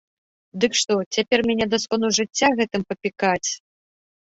Дык што, цяпер мяне да скону жыцця гэтым папікаць?